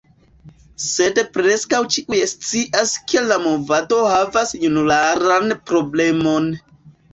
Sed preskaŭ ĉiuj scias ke la movado havas junularan problemon.